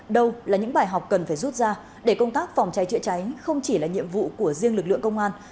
đâu là những bài học cần phải rút ra để công tác phòng cháy chữa cháy không chỉ là nhiệm vụ của riêng lực lượng công an